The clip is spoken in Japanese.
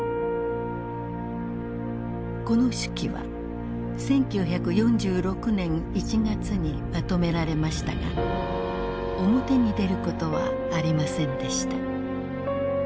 この手記は１９４６年１月にまとめられましたが表に出ることはありませんでした。